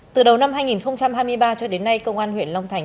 từ đầu năm hai nghìn hai mươi ba cho đến nay công an huyện long thành